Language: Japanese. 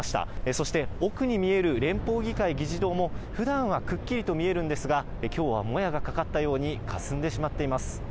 そして奥に見える連邦議会議事堂も普段はくっきりと見えるんですが、きょうは靄がかかったように、かすんでしまっています。